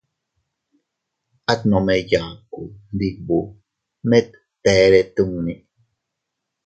At nome yaku, ndibuu, mite btere tummi.